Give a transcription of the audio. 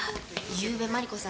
ゆうべマリコさん